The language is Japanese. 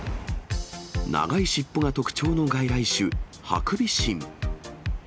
長い尻尾が特徴の外来種、ハクビシン。